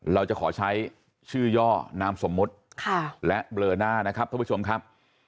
เราจะขอใช้ชื่อย่อนามสมมุติและเบลอหน้านะครับท่านผู้ชมครับ